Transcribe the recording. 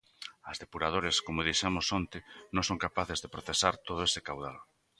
As depuradores, como dixemos onte, non son capaces de procesar todo este caudal.